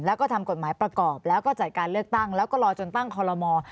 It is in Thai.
แล้วก็ทำกฎหมายประกอบแล้วก็จัดการเลือกตั้งแล้วก็รอจนตั้งคอลโลมอร์